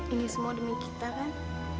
ini semua demi kita kan